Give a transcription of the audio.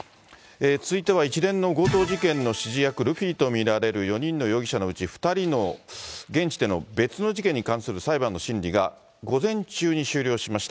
続いては、一連の強盗事件の指示役、ルフィと見られる４人の容疑者のうち、２人の現地での別の事件に関する裁判の審理が、午前中に終了しました。